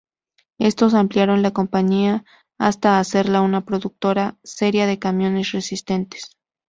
Estos, ampliaron la compañía hasta hacerla una productora seria de camiones resistentes.